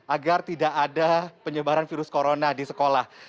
agar tidak ada penyebaran virus corona di sekolah